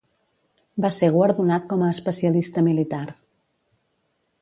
Va ser guardonat com a especialista militar.